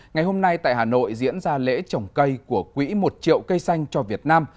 ngày hôm nay tại hà nội diễn ra lễ trồng cây của quỹ một triệu cây xanh cho việt nam